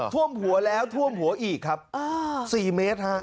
ท่วมหัวแล้วท่วมหัวอีกครับ๔เมตรฮะ